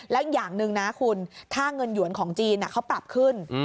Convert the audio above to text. แล้วอย่างหนึ่งนะคุณค่าเงินหยวนของจีนเขาปรับขึ้น